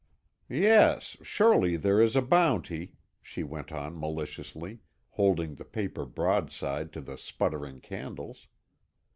"Yes, surely there is a bounty," she went on maliciously, holding the paper broadside to the sputtering candles.